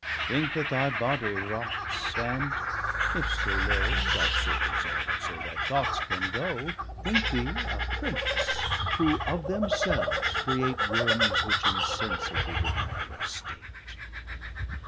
Thinke that thy body rots, and (if so low, 115 Thy soule exalted so, thy thoughts can goe,) Think thee a Prince, who of themselves create Wormes which insensibly devoure their State.